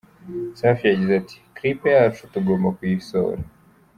Safi yagize ati: ”Clip yacu tugomba kuyisohora.